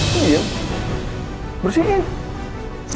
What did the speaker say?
tinggal bersihin susah amat sih